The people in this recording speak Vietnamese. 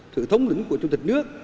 thực thống lĩnh của trung tịch nước